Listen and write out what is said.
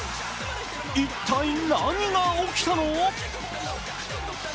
一体、何が起きたの！？